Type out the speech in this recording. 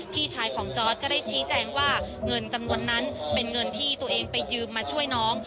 พี่ชายของจอร์ดก็ได้ชี้แจงว่าเงินจำนวนนั้นเป็นเงินที่ตัวเองไปยืมมาช่วยน้อง